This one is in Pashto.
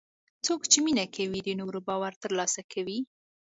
څوک چې مینه کوي، د نورو باور ترلاسه کوي.